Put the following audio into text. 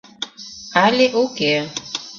Але уке.